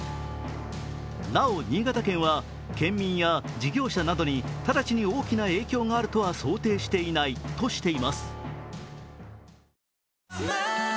なお新潟県は、県民や事業者などに直ちに大きな影響があるとはと想定していないとしています。